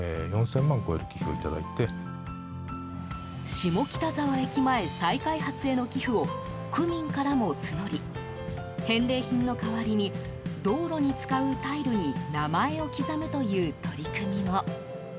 下北沢駅前再開発への寄付を区民からも募り返礼品の代わりに道路に使うタイルに名前を刻むという取り組みも。